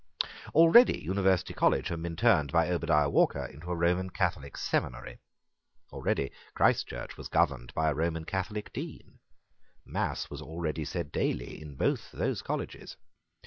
Already University College had been turned by Obadiah Walker into a Roman Catholic seminary. Already Christ Church was governed by a Roman Catholic Dean. Mass was already said daily in both those colleges.